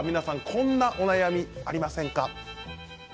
こんなお悩みありませんか。